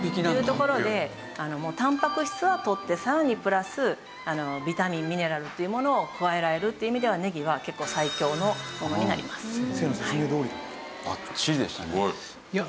というところでたんぱく質はとってさらにプラスビタミンミネラルというものを加えられるという意味ではねぎは結構最強のものになります。